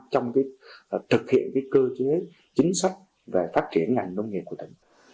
trong thực hiện cơ chế chính sách về phát triển ngành nông nghiệp của tỉnh